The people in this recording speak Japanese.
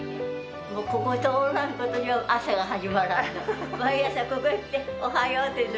ここを通らんことには朝が始まらんの。